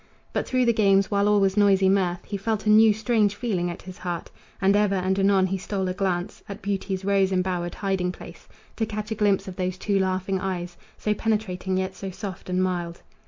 But through the games, while all was noisy mirth, He felt a new, strange feeling at his heart, And ever and anon he stole a glance At beauty's rose embowered hiding place, To catch a glimpse of those two laughing eyes, So penetrating yet so soft and mild.